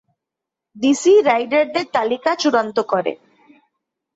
DC রাইডারদের তালিকা চূড়ান্ত করে।